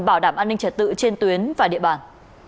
bảo đảm an ninh trật tự trên tuyến và địa bàn